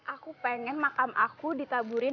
aku pengen makam aku ditaburin